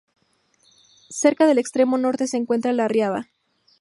Cerca del extremo norte se encuentra "la Riada".